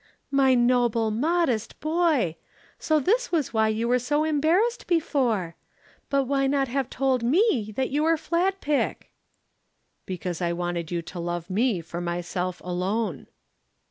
"My noble, modest boy! So this was why you were so embarrassed before! But why not have told me that you were Fladpick?" "Because I wanted you to love me for myself alone."